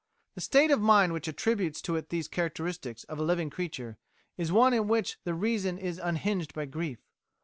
The state of mind which attributes to it these characteristics of a living creature is one in which the reason is unhinged by grief.